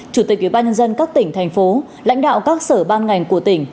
chủ tịch ubnd các tỉnh thành phố lãnh đạo các sở ban ngành của tỉnh